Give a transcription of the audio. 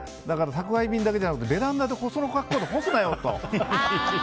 宅配便だけじゃなくてベランダでその格好で干すなよと。